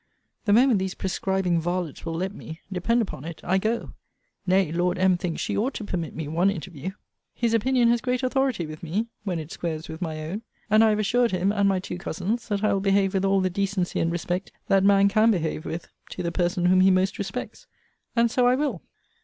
The moment these prescribing varlets will let me, depend upon it, I go. Nay, Lord M. thinks she ought to permit me one interview. His opinion has great authority with me when it squares with my own: and I have assured him, and my two cousins, that I will behave with all the decency and respect that man can behave with to the person whom he most respects. And so I will.